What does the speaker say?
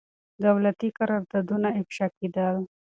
دولتي قراردادونه افشا کېدل.